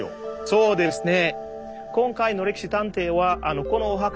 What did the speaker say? そうですね。